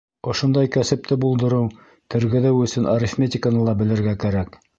Ошондай кәсепте булдырыу, тергеҙеү өсөн арифметиканы ла белергә кәрәк.